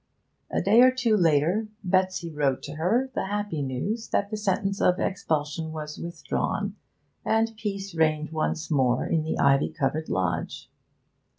A day or two later Betsy wrote to her the happy news that the sentence of expulsion was withdrawn, and peace reigned once more in the ivy covered lodge.